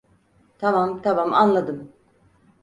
Tamam, tamam, anladım.